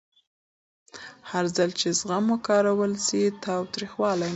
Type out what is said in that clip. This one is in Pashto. هرځل چې زغم وکارول شي، تاوتریخوالی نه خپرېږي.